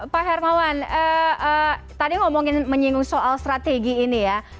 pak hermawan tadi ngomongin menyinggung soal strategi ini ya